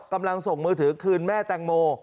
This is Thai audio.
กำลังส่งมือถือคืนแม่แตงโม